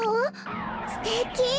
すてき！